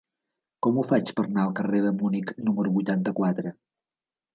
Com ho faig per anar al carrer de Munic número vuitanta-quatre?